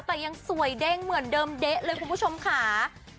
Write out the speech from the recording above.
แต่ยังสวยเด้งเหมือนเดิมเด๊ะเลยคุณผู้ชมค่ะ